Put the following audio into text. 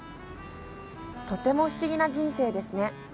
とても不思議な人生ですね。